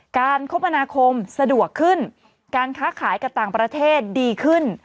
คมนาคมสะดวกขึ้นการค้าขายกับต่างประเทศดีขึ้น